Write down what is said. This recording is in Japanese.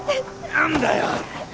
何だよ！